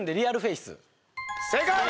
正解！